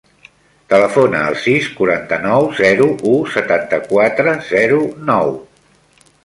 Telefona al sis, quaranta-nou, zero, u, setanta-quatre, zero, nou.